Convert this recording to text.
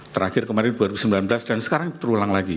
terakhir kemarin dua ribu sembilan belas dan sekarang terulang lagi